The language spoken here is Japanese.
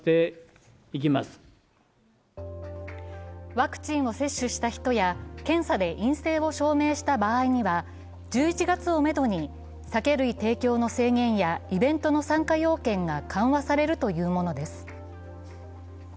ワクチンを接種した人や検査で陰性を証明した場合には１１月をめどに酒類提供の制限やイベントの参加要件が緩和されるというものです。